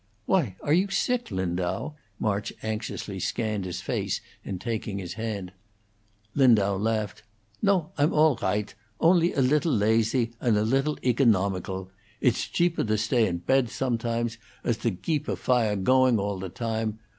"Why, are you sick, Lindau?" March anxiously scanned his face in taking his hand. Lindau laughed. "No; I'm all righdt. Only a lidtle lazy, and a lidtle eggonomigal. Idt's jeaper to stay in pedt sometimes as to geep a fire a goin' all the time.